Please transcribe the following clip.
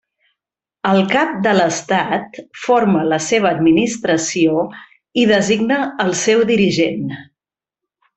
El cap de l'estat forma la seva Administració i designa el seu dirigent.